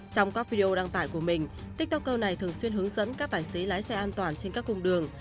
trong các video đăng tải của mình tiktoker này thường xuyên hướng dẫn các tài xế lái xe an toàn trên các cung đường